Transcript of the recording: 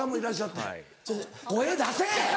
声出せ！